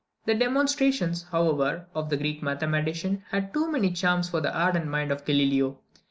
The demonstrations, however, of the Greek mathematician had too many charms for the ardent mind of Galileo.